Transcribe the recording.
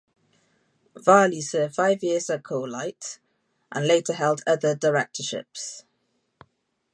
Varley served five years at Coalite, and later held other directorships.